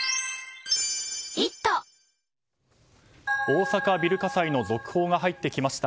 大阪ビル火災の続報が入ってきました。